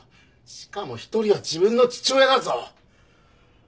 しかも１人は自分の父親だぞ。